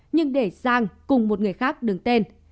nhưng để giang cùng một người khác đứng tên